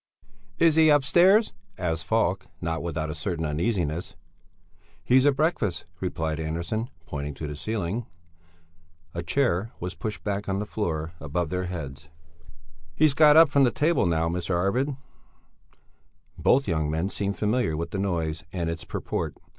"Is he upstairs?" asked Falk, not without a certain uneasiness. "He's at breakfast," replied Andersson, pointing to the ceiling. A chair was pushed back on the floor above their heads. "He's got up from the table now, Mr. Arvid." Both young men seemed familiar with the noise and its purport.